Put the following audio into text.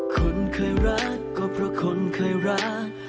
คนเคยรักก็เพราะคนเคยรัก